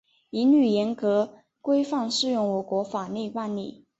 一律严格、规范适用我国法律办理